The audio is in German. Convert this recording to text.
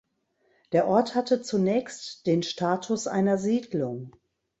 Der Ort hatte zunächst den Status einer Siedlung.